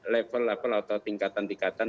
level atau tingkatan tingkatan